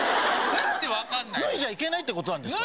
脱いじゃいけないって事ですか？